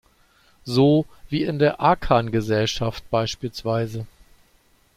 So, wie in der Akan-Gesellschaft bspw.